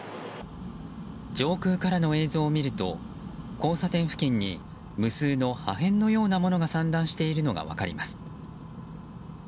上空からの映像を見ると交差点付近に無数の破片のようなものが散乱しているのが分かります。